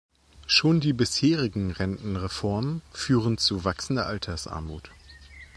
Schon die bisherigen Rentenreformen führen zu wachsender Altersarmut.